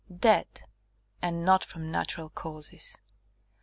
Dead and not from natural causes.